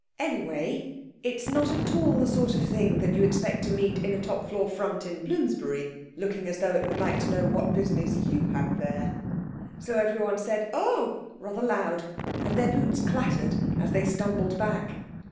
Anyway, it is not at all the sort of thing that you expect to meet in a top floor front in Bloomsbury, looking as though it would like to know what business you had there. So everyone said, "Oh!" rather loud, and their boots clattered as they stumbled back.